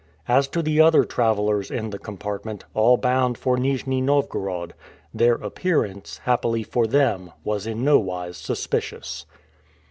As to the other travelers in the compartment, all bound for Nijni Novgorod, their appearance, happily for them, was in nowise suspicious.